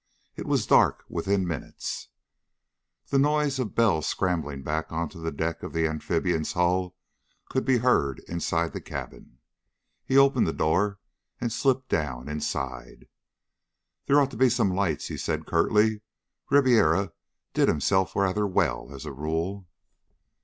It was dark within minutes. The noise of Bell's scrambling back onto the deck of the amphibian's hull could be heard inside the cabin. He opened the door and slipped down inside. "There ought to be some lights," he said curtly. "Ribiera did himself rather well, as a rule."